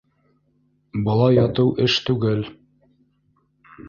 Былай ятыу эш түгел.